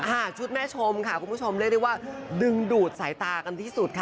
ชุดแม่ชมค่ะคุณผู้ชมเรียกได้ว่าดึงดูดสายตากันที่สุดค่ะ